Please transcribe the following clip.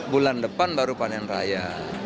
bulan depan baru panen raya